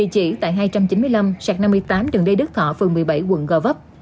chị tại hai trăm chín mươi năm sạc năm mươi tám trường đê đức thọ phường một mươi bảy quận g vấp